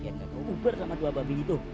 biar gak kubu buber sama dua babi gitu